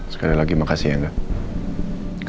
sekali lagi makasih ya mbak